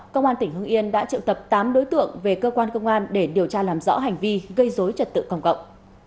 công an tp đà lạt đã triệu tập tám đối tượng về cơ quan công an để điều tra làm rõ hành vi gây dối trật tự công cộng